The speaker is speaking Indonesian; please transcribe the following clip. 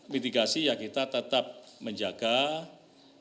mitigasi ya kita tetap menjaga keamanan